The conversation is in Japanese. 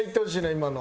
今の。